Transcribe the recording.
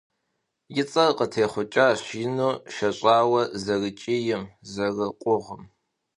И цӀэр къытехъукӀащ ину, шэщӀауэ зэрыкӀийм, зэрыкъугъым.